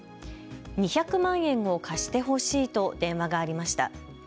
２００万円を貸してほしいと電話がありました。